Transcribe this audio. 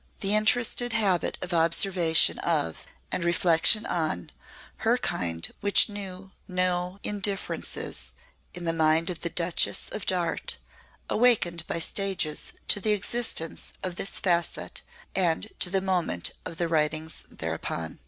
The interested habit of observation of, and reflection on, her kind which knew no indifferences, in the mind of the Duchess of Darte, awakened by stages to the existence of this facet and to the moment of the writings thereupon.